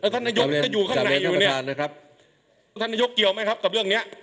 ท่านนายกก็อยู่ข้างในอยู่เนี่ยนะครับท่านนายกเกี่ยวไหมครับกับเรื่องเนี้ย